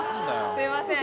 すいません。